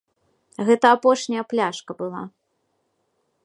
Гэта апошняя пляшка была.